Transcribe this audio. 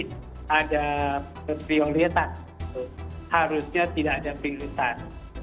jadi ada prioritas harusnya tidak ada prioritas